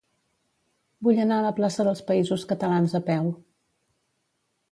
Vull anar a la plaça dels Països Catalans a peu.